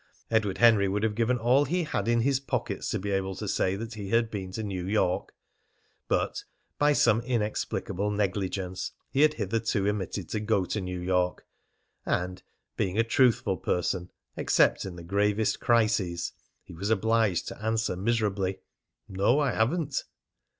Edward Henry would have given all he had in his pockets to be able to say that he had been to New York, but, by some inexplicable negligence, he had hitherto omitted to go to New York, and, being a truthful person, except in the gravest crises, he was obliged to answer miserably: "No, I haven't."